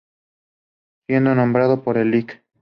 Siendo nombrado por el Lic.